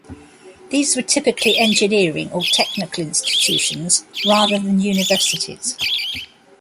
These were typically engineering or technical institutions rather than universities.